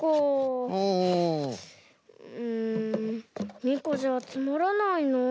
うん２こじゃつまらないなあ。